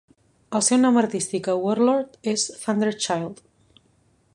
El seu nom artístic a Warlord és "Thunder Child".